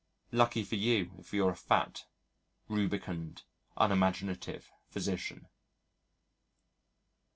Lucky for you, if you're a fat, rubicund, unimaginative physician.